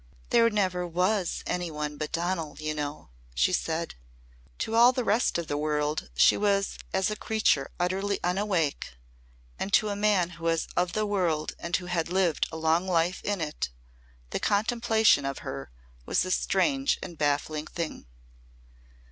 "There never was any one but Donal, you know," she said. To all the rest of the world she was as a creature utterly unawake and to a man who was of the world and who had lived a long life in it the contemplation of her was a strange and baffling thing.